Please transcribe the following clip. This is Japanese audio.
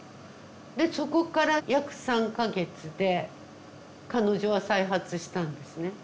でそこから約３か月で彼女は再発したんですね。